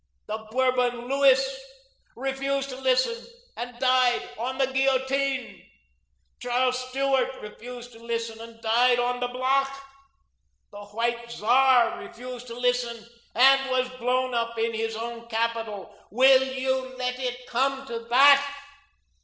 The Bourbon Louis refused to listen and died on the guillotine; Charles Stuart refused to listen and died on the block; the white Czar refused to listen and was blown up in his own capital. Will you let it come to that?